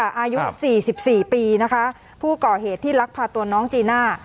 อายุสี่สิบสี่ปีนะคะผู้ก่อเหตุที่ลักพาตัวน้องจีน่า